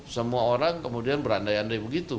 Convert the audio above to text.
semua orang kemudian berandai andai begitu